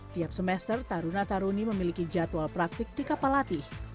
tiap semester taruna taruni memiliki jadwal praktik di kapal latih